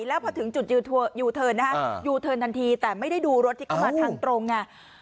แล้วพอถึงจุดยูทันฮะยูทันทันทีแต่ไม่ได้ดูรถที่ขับรถทางตรงอ่ะ